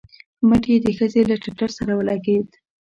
مټ يې د ښځې له ټټر سره ولګېد.